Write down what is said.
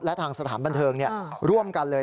และทางสถานบันเทิงร่วมกันเลย